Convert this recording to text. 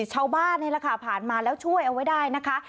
นี่แหละค่ะผ่านมาแล้วช่วยเอาไว้ได้นะคะ